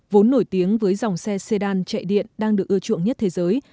vốn nổi tiếng với dòng xe sedan chạy điện đang được ưa chuộng nhất thế giới